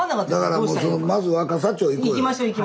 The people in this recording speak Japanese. だからもうそのまず若桜町行こうよ。